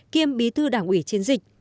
kiêm bí thư đảng ủy chiến dịch